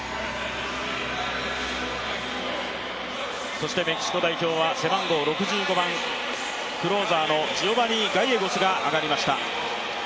そしてメキシコ代表は背番号６５番、クローザーのジオバニー・ガイエゴスが上がりました。